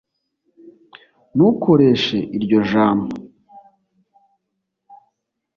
ntukoreshe iryo jambo